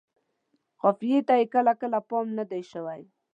قافیې ته یې کله کله پام نه دی شوی.